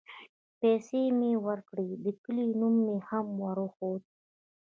پيسې مې وركړې د كلي نوم مې هم وروښود.